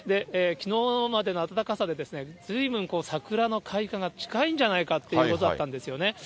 きのうまでの暖かさでずいぶん桜の開花が近いんじゃないかということだったんですよね。